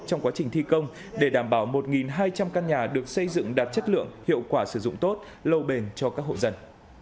trong quá trình thi công để đảm bảo một hai trăm linh căn nhà được xây dựng đạt chất lượng hiệu quả sử dụng tốt lâu bền cho các hộ dân